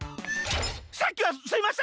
さっきはすいません！